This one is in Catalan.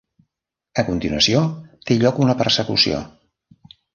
A continuació té lloc una persecució.